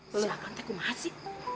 siapa yang masih